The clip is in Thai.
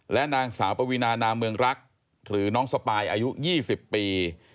และนางสาวปวีนานาเมืองรักหรือน้องสปายอายุ๒๐ปี